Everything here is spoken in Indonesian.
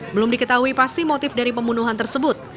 belum diketahui pasti motif dari pembunuhan tersebut